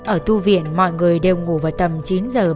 ở thu viện mọi người đều ngủ vào tầm chín h ba mươi